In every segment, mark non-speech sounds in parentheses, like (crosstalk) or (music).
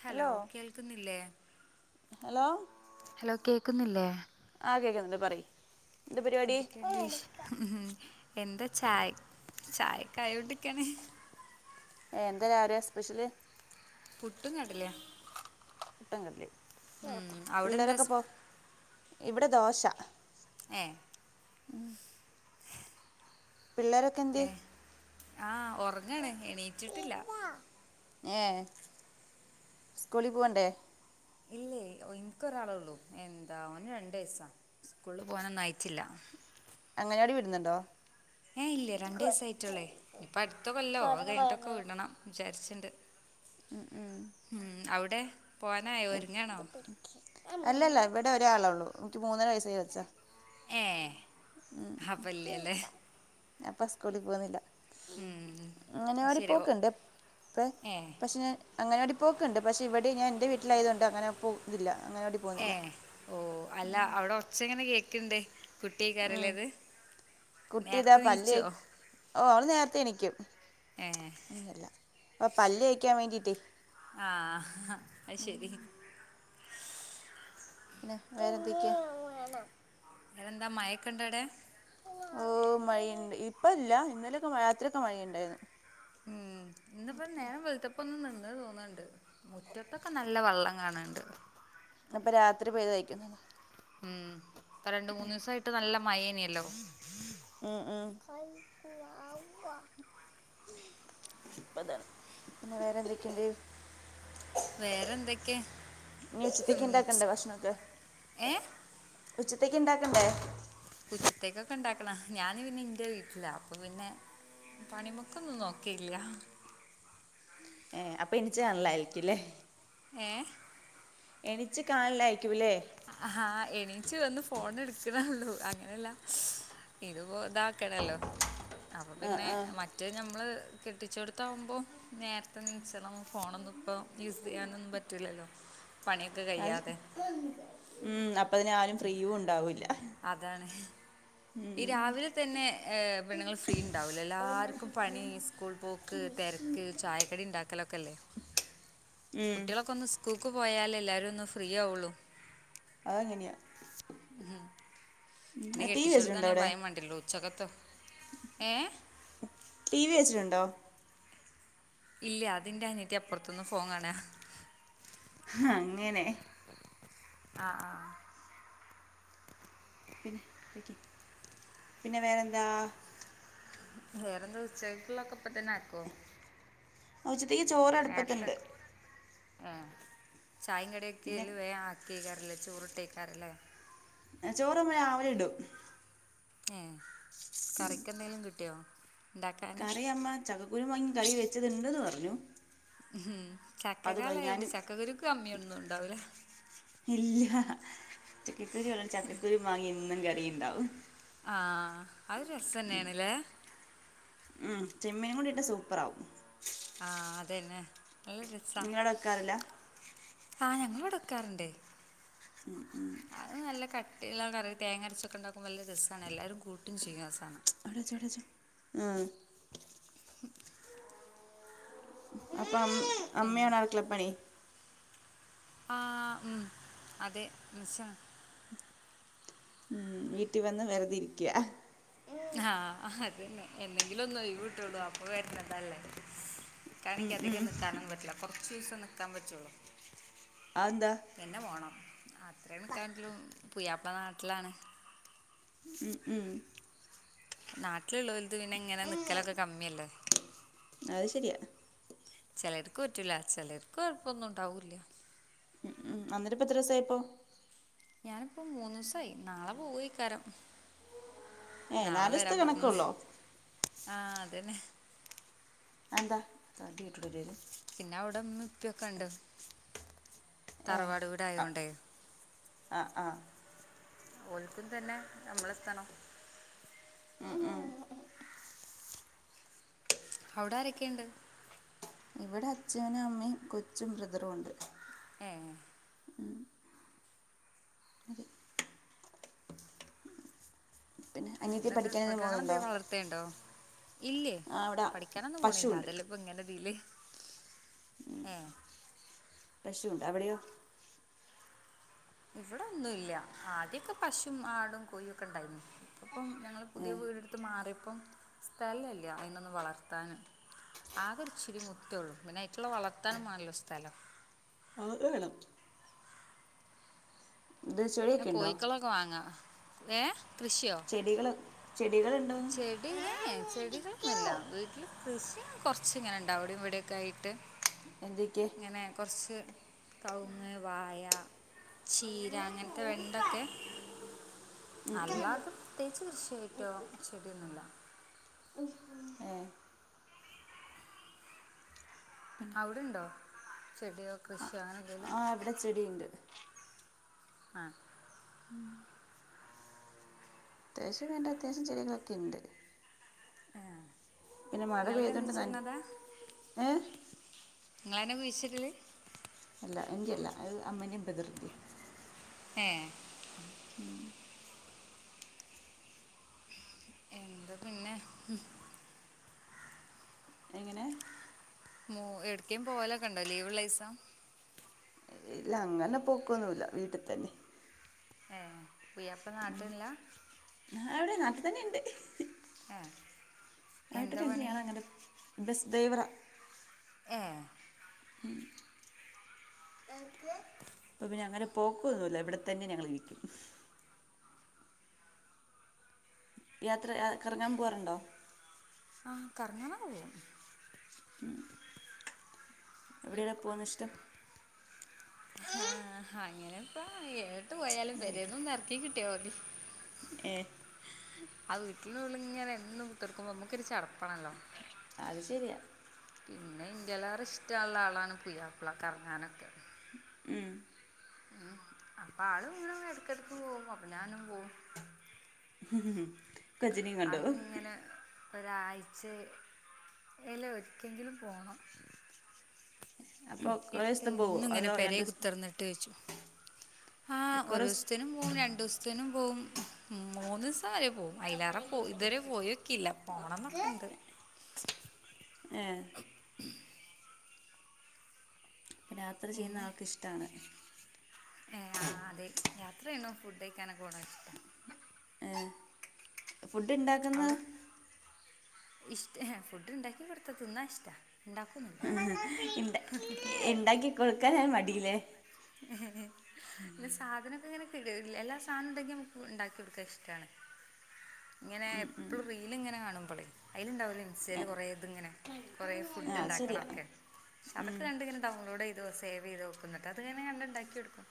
Hello കേൾക്കുന്നില്ലേ? Hello hello കേക്കുന്നില്ലേ? കേക്കുന്നുണ്ട് പറയു. എന്തൊക്കെയണ്ട് വിശേഷം ഉം എന്ത ചായ ചായക്കായ ണ്ടിക്കണേ ഏ എന്തല്ല ആടെ സ്പെഷ്യല്? പുട്ടുംകടലേം. പുട്ടുംകടലേം, അവിടെ എന്താ പിള്ളേരൊക്കെ സ് പോ ഇവിടെ ദോശ. ഏ ഉം ഏ പിള്ളാരൊക്കെന്തിയെ? ആ ഉറങ്ങാണ് എണീറ്റിട്ടില്ല ഏ സ്കൂളിൽ പോവണ്ടേ? ഇല്ലേ. എനിക്കൊരാളെള്ളു എന്താ ഓന് രണ്ട് വയസാ സ്കൂളിൽ പോവാനൊന്നും ആയിട്ടില്ല. അംഗനവാടീ വിടുന്നുണ്ടോ? ഏ ഇല്ലേ രണ്ട് വയസ്സേ ആയിട്ടുള്ളെ ഇനിപ്പോ അടുത്ത കൊല്ലോ അത് കഴിഞ്ഞിട്ടൊക്കെ വിടണം വിചാരിച്ചു. ഇണ്ട് ഉം ഉം പോവാനായോ ഒരുങ്ങാണോ അല്ലല്ല ഇവിടെ ഒരാളെ ഉള്ളു എനിക്ക് മൂന്നര വയസായ കൊച്ചാ. ഏ അപ്പല്ല്യല്ലേ അപ്പൊ സ്കൂളിക്ക് പോകുന്നില്ല. ശരി ഓ- അങ്ങനെടിപ്പോൊക്കെ ഇണ്ട്പ്പ ഏ പക്ഷെ ഞാൻ. അങ്ങനെഓടി പോയിക്കണ്ട് പക്ഷ ഇവിടെ ൻറെ വീട്ടിലായയതൊണ്ട് അങ്ങനെ പോ ഇല്ല. ഏ ഓ അല്ല അവിടെ ഒച്ച എങ്ങനെ കേക്ക് ണണ്ടേ കുട്ടിയെക്കാരം അല്ല അത്. കുട്ടിതാ പല്ലി ഓ അവള് നേരത്തെ എനിക്കും. ഏ അങ്ങനല്ല അപ്പൊ പല്ല്തേക്കാൻ വേണ്ടിട്ട്. ആഹ അ ശെരി. പിന്നെ വേറെ എന്തൊക്കെ. എന്താ മയക്കു ണ്ടോ അവിടെ. ഓ മഴുണ്ട് ഇപ്പ ഇല്ല ഇന്നലെയൊക്കെഴ രാത്രിയക്കെ മഴ ഉണ്ടായിരുന്നു. ഉം ഇന്നപ്പ നേരം വെളുത്തപ്പ ഒന്നും നിന്ന. തോന്നണ്ട് മുറ്റത്തൊക്കെ നല്ല വെള്ളം കാണണ്ട്. അപ്പൊ രാത്രി പോയത്ഴക്കുന്നുന്ന്.. ഉം ഇപ്പ രണ്ട്മൂന്ന് ദിവസമായിട്ട്നല്ല മയേനല്ലോ. ഇപ്പതാണ് പിന്നെ വേറെ എന്തൊക്കെയണ്ട്. വേറെന്തൊക്കെ. ഇനി ഉച്ചത്തേക്ക് ഇണ്ടാക്കണ്ടേ ഭക്ഷണൊക്കെ ഏ ഉച്ചത്തേക്ക് ഇണ്ടാക്കണ്ടേ.. ഉച്ചത്തേക്കൊക്കെ ഉണ്ടാക്കണം ഞൻ പിന്നെ ഇന്റെ വീട്ടില അപ്പൊ പിന്നെ. പണിമുക്കൊന്നും നോക്കിയില്ല. ഏ അപ്പൊ എനിിച്ചണലരിക്കല്ലേ. ഏ എനിച്ച് കാണല അയക്കൂല്ലേ. ആഹ എണീച്ച് വന്ന് ഫോൺ എടുക്കണള്ളൂ അങ്ങനെയല്ല. ഇത് ഇതാക്കടല്ലോ അപ്പൊ ആ പിന്നെ ആ മറ്റേ ഞമ്മള്.. കെട്ടിച്ചെടുത്തകുമ്പോൾ നേരത്തെ നീച്ചണം ഫോണൊന്നും ഇപ്പോൾ യൂസ് ചെയ്യാനൊന്നും പറ്റില്ലല്ലോ. പണിയൊക്കെ അത് ശ- കഴിയാതെ. ഉം അപ്പ അതിന ആരും ഫ്രീവും ഉണ്ടാവൂല്ല. അതാണ് ഈ രാവിലെ തന്നെ പെണ്ണുങ്ങൾഫ്രീ ഉണ്ടാവൂല എല്ലാർക്കും പണി സ്കൂൾ പോക്ക്.. തിരക്ക് ചായക്കടി ഉണ്ടാക്കൽ ഒക്കെ അല്ലേ ഉം കുട്ടികൊന്ന്സ്കൂൾക് പോയാൽ എല്ലാരും. ഒന്ന് ഫ്രീ ആവുള്ളൂ. അങ്ങനെ യാ. അതന്നെ ഭയം വേണ്ടല്ലോ ഉച്ചകത്ത്. ടി വി വെച്ചിട്ടുണ്ടോ. ഇല്ല അതിറെ അനിയത്തി അപ്പുറത്തൊന് ഫോൺ കാണാ. അങ്ങനെ ആ ആ പിന്നെ ഇതക്ക് പിന്നെ വേറെന്താ.. വേറെ ഉച്ചക്ക്യിട്ടുള്ളൊക്കെ ഇപ്പ തന്നെ ആക്കുവോ ഉച്ചത്തക്ക് ചോറ്ടുപ്പത്തിണ്ട്. ആ ചായ പിന്നെ കടൊക്കെല് വേ ആക്കിയക്കാറല്ലേ ചോറിട്ടേക്കാറല്ലേ. ചോറമ്മ രാവിലെ ഇടും. ഏ കറിക്കെന്തെങ്കലും കിട്ടിയോ. ഉണ്ടാക്കാൻ കറമ്മ ചക്കക്കുരു വങ്ങി കള വെച്ചത്ണ്ട്ന്ന് പറഞ്ഞു. ഉം അത് മതി. ചക്കകാലണ്ട് ഞാൻ ചക്കക്കുരുക്ക് കമ്മിയൊന്നും ഇണ്ടാവുല. ചക്കൻ കുുറി വള്ള ചക്കൽക്കുരി മാങ്ങഇന്നും കറിിയുണ്ടാവും. ആഹ അത് രസം തന്നെയണല്ലേ. ഉ ചെമ്മീനും കൂടിയിട്ട് സൂപ്പർാകും. ആഹ അതന്നെ നല്ലൊ രസാ. നിങ്ങളവിടെ വെക്കാറില്ല ആഹ്. ഞങ്ങള്വ്ടെ ക്കാറുണ്ട്‌ ഉം ഉം അത് നല്ല കട്ടിള്ളകറി തേങ്ങര്ച്ചൊക്കെണ്ടാകും വല്ല രസാണ്. എല്ലാരും കൂട്ടും ചെയ്യും ആസാനം അവിടെച്ചോ അവിടെച്ചോ ഉം അപ്പൊ പിന്നെ അമ്മയാണോ അട്ക്കളപ്പണി ആ ഉം അതെ നിച്ച ഉം വീട്ടിൽ വന്ന് വെർതെ ഇരിക്യ ആഹ് അതന്നെ എന്നെങ്കിലും ഒന്ന് ഒയിവ്ട്ടൊള്ളൂ. അപ്പൊ വര്ന്നതല്ലേ ഉം ഇക്കാണെങ്കി ഉം അധികം നിക്കാനൊന്നും പറ്റില്ല. കൊറ്ച്ചൂസം നിക്കാൻ പറ്റൊള്ളൂ അതെന്താ പിന്നെ പോണം അ ത്രേ നിക്കാൻറ്റുള്ളൂ പുയ്യാപ്ല നാട്ടിലാണ് ഉം ഉം നാട്ടില്ള്ളോൽത് പിന്നെങ്ങനെ നിക്കലൊക്കെ കമ്മിയല്ലേ അത് ശെരിയാ. ചെലർക്ക് പറ്റൂല. ചെലർക്ക് കൊഴപ്പൊന്നുംണ്ടാവൂല്യ. ഉം ഉം, വന്നിട്ട് പ്പൊ എത്ര ദിവസായിപ്പോ ഞാനിപ്പോ മൂന്നൂസായി. നാളെ പോവൊയ്കാരം ഏ നാളെ നാല് ദിവസത്തെ വരാൻ പറഞ്ണ്ണ് കണക്കുള്ളോ ആഹ് അതന്നെ അതെന്താ (unintelligible) പിന്നെ അവ്ടെ മ്മീം പ്പിംഒക്കെണ്ട്‌ തറവാട് വീടായോണ്ടെ അ ആഹ് ഓൽക്കും തന്നെ നമ്മളെത്തണം ഉം ഉം അവ്ടെ ആരെക്കെണ്ട് ഇവിടെ അച്ഛനും അമ്മയും കൊച്ചും ബ്രദറുംണ്ട് ഏ അതെ പിന്നെ ഉം അനിയത്തി ഇന്ന്ട്ട് പഠിക്കാനും പോകുന്നുണ്ടോ മൃഗങ്ങളെന്തേം വളർത്തേണ്ടോ? ഇല്ലേ. ആ അവിടെ പഠിക്കാനൊന്നും പോണില്ല പശുവുണ്ട് അതെല്ലെപ്പൊ ഇങ്ങനെതീല് ഏഹ് പശുണ്ട്‌ അവിടെയോ ഇവടെ ഒന്നൂല്യ. ആദ്യൊക്കെ പശും ആടും കോയൊക്കെ ഇണ്ടായ്ന്നു. ഇപ്പം ഞങ്ങള് ഏ പുതിയ വീടെടുത്ത് മാറിയപ്പം സ്ഥലല്ല്യ അയ്നൊന്നും വളർത്താന്. ആകൊരിച്ചിരി മുറ്റൊള്ളു പിന്നെ അയ്ക്ക് വളർത്താനും മാണല്ലോ സ്ഥലം ആത് വേണം ഇത് ന്നെ ചെടിയൊക്കെ ഉണ്ടോ കൊയ്ക്കളൊക്കെ വാങ്ങ ഏഹ് ചെടികള് കെ ചെടി ഏഹ് ഏഹ് ചെടികളൊന്നുല്ല വീട്ടില് കൃസി കൊർച്ച് ഇങ്ങനെണ്ടാവും അവ്ടിം ഇവടിം ഒക്കെ ആയിട്ട് എന്തൊക്കെ ഇങ്ങനെ കൊർച്ച് കൗങ്ങ്, വായ, ചീര, അങ്ങൻത്തെ വെണ്ടക്കെ അല്ലാതെ പ്രതേകിച്ച് കൃഷി ആയിറ്റൊ ചെടി ഒന്നുല്ല ഏ പിന്നെ ഔടെണ്ടോ ചെടിയോ, കൃഷിയൊ, അങ്ങനെ എന്തേലും ആഹ് ഇവിടെ ചെടിണ്ട് ആഹ് അത്യാവശ്യം വേണ്ട അത്യാവശ്യം ചെടികളൊക്കെണ്ട് ഇങ്ങളെന്നെ പെയ്തുകൊണ്ട് നൻ കുയ്ച്ച്ട്ണതാ? ഏ ഇങ്ങളെന്നെ കുയ്ച്ച്ടല്? അല്ല എന്റെ അല്ല അത് അമ്മന്റിം ബ്രദറിന്റിയാ ഏഹ് ഉം എന്താ പിന്നെ എങ്ങനെ മോ എട്ക്കേം പോവലോക്കെണ്ടോ ലീവ് ഇള്ളിസം? ഇല്ല അങ്ങനെ പോക്കൊന്നുല്ല വീട്ടിൽ തന്നെ ഏഹ് പുയാപ്പ്ള നാട്ട് ഇല്ല ഞാൻ ഇവിടെ നാട്ടിൽ തന്നെ ഇണ്ട് എന്താ നാട്ടില്ണ്ട് പണി ഞാനങ്ങനെ ബസ് ഡ്രൈവറാ ഏഹ് പ്പപിന്നെ അങ്ങനെ പോക്കൊന്നുല്ല ഇവിടെ തന്നെ ഞങ്ങളിരിക്കും യാത്ര യാ കറങ്ങാൻ പോവാറുണ്ടോ ആ കറങ്ങാനാ പോവും ഉം എവിടെയാണ് ഇപ്പം പോന്നത് ഇഷ്ടം ആ അങ്ങനെപ്പ ഏട്ട് പോയാലും നേരിക്ക് പേരെന്നൊന്ന് എറക്കി കിട്ടിയ മതി ഏ ആ വീട്ടിൽന്നുള്ളിങ്ങെ എന്നും കുത്തർക്കുമോ നമ്മക്കൊരു ച അത് ശരിയാ പിന്നെ ന്റെലാറിഷ്ടള്ള ആളാണ് പുയാപ്പ്ള കറങ്ങാനൊക്കെ ഉം അപ്പൊ ആള് എടക്കിടക്ക് പോവും അപ്പ ഞാനും പോവും ഉം കജിനി കണ്ടോ ഒരാഴ്ചെ ല് ഒരിക്കെങ്കിലും പോണം അപ്പോൾ കുറേ എത്ത ദിവസം പോവോ എന്നും ഇങ്ങനെ അതോ പെരെ രണ്ട് ദിവസം കുത്തിർന്നിട്ട് ച്ചു ആ കുറേ ദിവസം- ഒരുസ്ത്തേനും പോവും രണ്ടുസ്ത്തേനും പോവും മൂന്ന്സം വരെ പോവും അയിലേറെ അവിടെ പോ ഇതുവരെ ഇവിടെയുണ്ട് പോയൊക്കില്ല പോണംന്നൊക്കെ നോക്ക് ഇണ്ട് ഏ അപ്പം യാത്ര ചെയ്യുന്ന പിന്നെ ആൾക്കിഷ്ടാ ഏ ആ അതെ യാത്രേണോ ഫുഡഴിക്കാനൊക്കെ പോണ ഇഷ്ടാ ഏ ഫുഡ്ണ്ടാക്കുന്ന ഇഷ്ടെ ഫുഡ് ഉണ്ടാക്കി കൊടുത്ത തിന്നാ ഇഷ്ടാ ഉണ്ടാക്കൊന്നുല്ല ഇണ്ടാ ഇണ്ടാക്കി കൊടുക്കാൻ ഒരു മടിയില്ലല്ലേ ഇ സാധനം (unintelligible) എല്ലാ സാധനംണ്ടെങ്കി നമുക്ക് ഇണ്ടാക്കി ഒടുക്കാൻ ഇഷ്ടാണ് ഇങ്ങനെ ഉം ഉം എപ്പഴും റീല്ങ്ങനെ കാണുമ്പളേ അയില്ണ്ടാവല്ലോ ആ ഇൻസ്റ്റേല് കൊറേത് ങ്ങനെ കൊറേ പണ്ട് ഫുഡ് ആ, അത് ശരിയാ ഉണ്ടാക്കണൊക്കെ ക്ഷെ അതക്ക ഉം കണ്ടിങ്ങനെ ഡൗൺലോഡ് ചെയ്തോ സേവ്യ്തോ വെക്ക അത്ങ്ങനെ കണ്ട്ണ്ടാക്കി ഒടുക്കും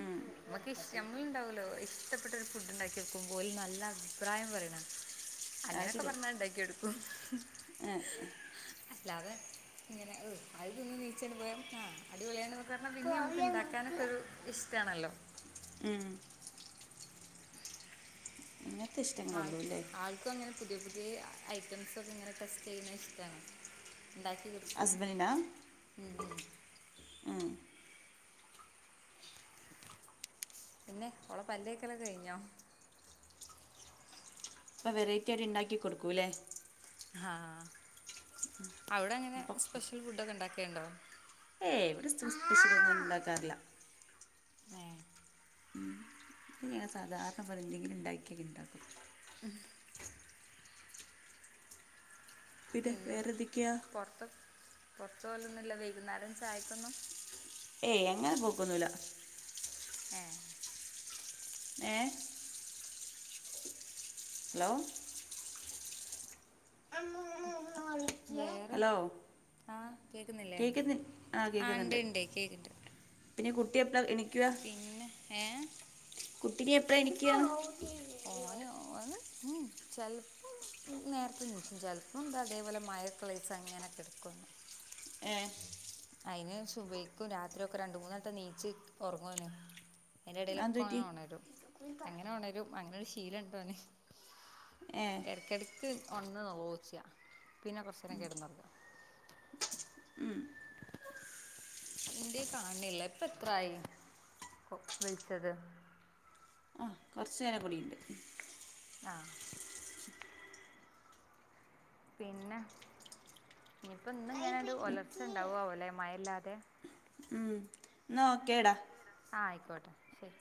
ഉം നമുക്ക് ഇ നമ്മളുണ്ടാവല്ലോ ഇഷ്ടപ്പെട്ടൊരു ഫുഡ്ണ്ടാക്കി കൊടുക്കുമ്പോ ഓല് നല്ല അഭിപ്രായം പറയണ അത് അങ്ങനൊക്കെ ശരിയാ പറഞ്ഞാ ണ്ടാക്കി എടുക്കും ആ, ആ. അല്ലാതെ അത് തിന്ന് നീച്ചാണ് പോയാം ആ അടിപൊളിയാണ് കാരണം പിന്നെ അമുക്ക് പോയ നമുക്ക് ഇണ്ടാക്കാനൊക്കെ ഒരു ഇഷ്ടാണല്ലോ ഉം ഇങ്ങനത്തെ ആ ഇഷ്ടങ്ങളുള്ളൂ അല്ലേ ആൾക്കങ്ങനെ പുതിയ പുതിയ ഐറ്റംസൊക്കെ ഇങ്ങനെ ടെസ്റ്റ് ചെയ്യുന്നത് ഇഷ്ടണ് ഹസ്ബൻഡിനാ ഉം പിന്നെ ഓള പല്ലേക്കലക്കയ്ഞ്ഞോ അപ്പ വെറൈറ്റി ആയിട്ട്ണ്ടാക്കി കൊടുക്കൂല്ലേ ആ അവിടെ എങ്ങനെ ഇപ്പം സ്പെഷ്യൽ ഫുഡൊക്കെ ഉണ്ടാക്കേണ്ടോ ഏ ഇവിടെ (unintelligible) ഉണ്ടാക്കാറില്ല ഏ (unintelligible) സാധാരണ (unintelligible) എന്തെങ്കിലും ഇണ്ടാക്കിയൊക്കെണ്ടാക്കും ഉം പിന്നെ വേറെന്തൊക്കെയാ പൊറത്ത് പോവലൊന്നുല്ല വെയ്കുന്നേരം ചായക്കൊന്നു ഏയ് എങ്ങനെ പോക്കൊന്നൂല. ഏ ഏ ലോ വിളിക്കേ വേറെ ഹലോ ആഹ് കേക്ക്ന്നില്ലേ കേൾക്കുന്ന ആ ആഹ് കേൾക്കുന്നുണ്ട് ഇണ്ട്ണ്ട് കേക്കിണ്ട് പിന്നെ കുട്ടിയെപ്പഴാ എനി- പിന്നെ ഏ കുട്ടി എപ്പഴാ എണീക്കുക ഓന് അഹ് ഉം ചെലപ്പോ നേരത്തെ എനിച്ചും ചിലപ്പം അതേപോലെ മയകളിസ് അങ്ങനെ കിടക്കും ഏ അയിന് ശുഭയ് (unintelligible) ക്കും രാത്രി യൊ ക്കെ രണ്ട് മൂന്നെട്ട നീച്ച് ഉറങ്ങോനോ അതിന്റെ അത് ഇടയിലൊക്കെ ഓന് പറ്റി ഓണരും അങ്ങനെ ഒണരും അങ്ങനെ ഒരു ശീലം ഓണ്ടോന് ഏ എടക്ക്‌ എടക്ക് ഒണന്ന് നോച്ചിയാ പിന്നെ കുറച്ച് നേരം കിടന്ന് ഒറങ്ങും ഉം ഇന്റെ കൈ കാണണില്ല ഇപ്പ എത്രയായി കൊള് വിളിച്ചത് കൊറച്ച് നേരം കൂടി ഒണ്ട് ആഹ പിന്നെ ഇനിയിപ്പോ ഇന്ന് ഇങ്ങനെണ്ട് ഒലർച്ച ഉണ്ടാവുവ ഒലയ മയല്ലിതെ ഉം എന്നാ ഒക്കെടാ ആയിക്കോട്ടെ ശരി